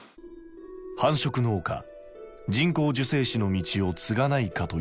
繁殖農家人工授精師の道を継がないかという内容。